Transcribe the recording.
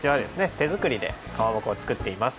てづくりでかまぼこを作っています。